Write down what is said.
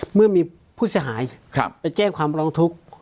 เมื่อมีผู้เสียหายไปแจ้งความร้องทุกข์